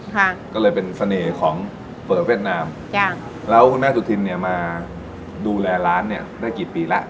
ค่ะก็เลยเป็นเสน่ห์ของเปิดเวียดนามจ้ะแล้วคุณแม่สุธินเนี่ยมาดูแลร้านเนี้ยได้กี่ปีแล้ว